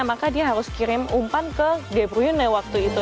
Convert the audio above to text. maka dia harus kirim umpan ke debruyune waktu itu